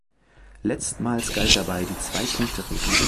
Letztmals galt dabei die Zwei-Punkte-Regel.